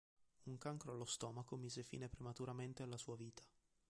Un cancro allo stomaco mise fine prematuramente alla sua vita.